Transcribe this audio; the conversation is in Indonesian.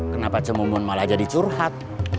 kenapa cemohon malah jadi curhat